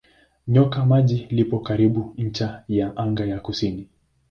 Nyoka Maji lipo karibu ncha ya anga ya kusini.